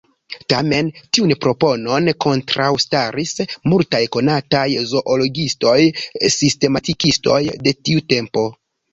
Tamen, tiun proponon kontraŭstaris multaj konataj zoologiistoj-sistematikistoj de tiu tempo.